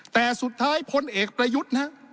แต่สุดท้ายพลเอกประยุทธ์นะฮะ